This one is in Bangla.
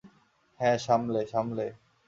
হ্যাঁ, সামলে, সামলে।